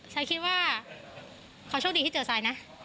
ชัยคิดว่าขอโชคดีที่เจอชัยนะ